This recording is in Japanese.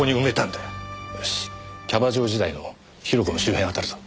よしキャバ嬢時代の広子の周辺を当たるぞ。